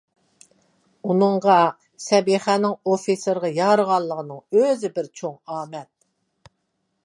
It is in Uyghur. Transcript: ئۇنىڭغا سەبىخەنىڭ ئوفىتسېرغا يارىغانلىقىنىڭ ئۆزى بىر چوڭ ئامەت.